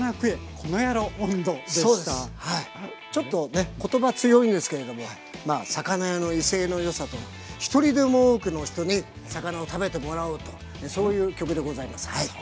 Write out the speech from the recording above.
ちょっとね言葉強いんですけれども魚屋の威勢のよさと一人でも多くの人に魚を食べてもらおうというそういう曲でございますはい。